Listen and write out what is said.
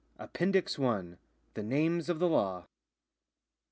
APPENDIX I. THE NAMES OF THE LAW.